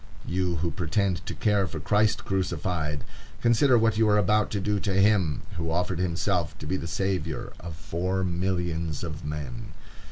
You who pretend to care for Christ crucified, consider what you are about to do to him who offered himself to be the savior of four millions of men.